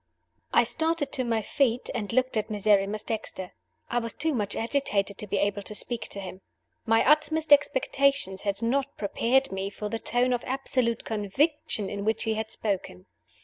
I STARTED to my feet, and looked at Miserrimus Dexter. I was too much agitated to be able to speak to him. My utmost expectations had not prepared me for the tone of absolute conviction in which he had spoken.